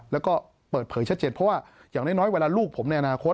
แล้วก็เปิดเผยชัดเจนเพราะว่าอย่างน้อยเวลาลูกผมในอนาคต